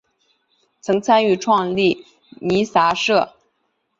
曾参与创立弥洒社。